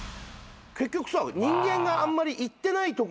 結局さ人間があんまり行ってないところ。